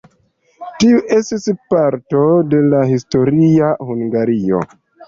Tiu estis parto de la historia Hungario.